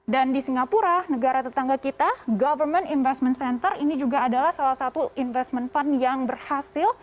dan di singapura negara tetangga kita government investment center ini juga adalah salah satu investment fund yang berhasil